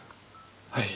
はい。